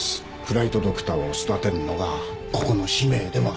フライトドクターを育てるのがここの使命でもあります。